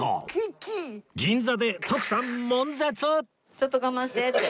ちょっと我慢してって。